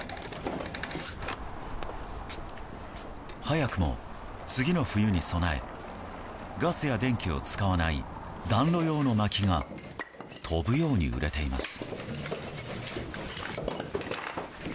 早くも、次の冬に備えガスや電気を使わない暖炉用のまきが飛ぶように売れています。